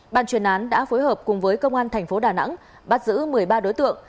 ban chuyên án đã phối hợp cùng với công an tp đà nẵng bắt giữ một mươi ba đối tượng